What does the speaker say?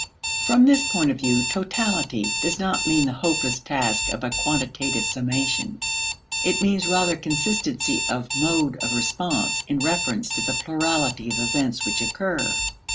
From this point of view, "totality" does not mean the hopeless task of a quantitative summation. It means rather consistency of mode of response in reference to the plurality of events which occur.